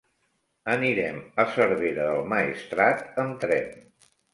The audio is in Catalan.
Anirem a Cervera del Maestrat amb tren.